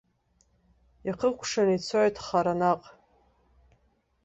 Иахыкәшан ицоит хара наҟ.